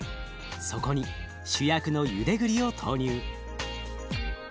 そこに主役のゆでぐりを投入。